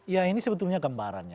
ya ini sebetulnya gambarannya